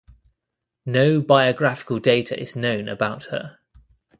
No biographical data is known about her.